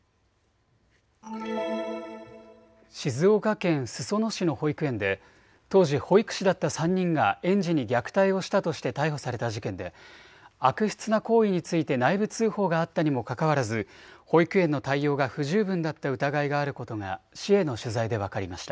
静岡県裾野市の保育園で当時保育士だった３人が園児に虐待をしたとして逮捕された事件で悪質な行為について内部通報があったにもかかわらず保育園の対応が不十分だった疑いがあることが市への取材で分かりました。